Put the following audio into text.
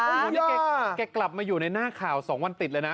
โอ้โหนี่แกกลับมาอยู่ในหน้าข่าว๒วันติดเลยนะ